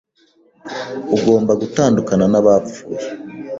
Ugomba gutandukana n'abapfuye